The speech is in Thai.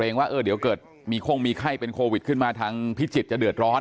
ว่าเดี๋ยวเกิดมีโค้งมีไข้เป็นโควิดขึ้นมาทางพิจิตรจะเดือดร้อน